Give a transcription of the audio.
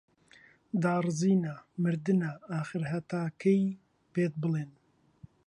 داڕزینە، مردنە، ئاخر هەتا کەی پێت بڵێن